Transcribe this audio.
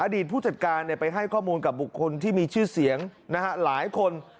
ผู้จัดการไปให้ข้อมูลกับบุคคลที่มีชื่อเสียงหลายคน